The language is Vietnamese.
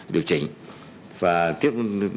điều chỉnh bằng mức giá thanh toán với cơ quan bảo hiểm y tế